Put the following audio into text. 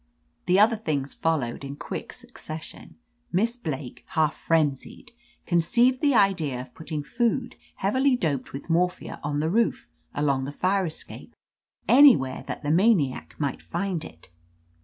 "The other things followed in quick succes sion. . Miss Blake, half frenzied, conceived the idea of putting food heavily doped with mor phia, on the roof, along the fire escape, any where that the maniac might find it.